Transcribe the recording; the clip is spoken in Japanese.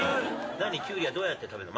何、キュウリはどうやって食べるの？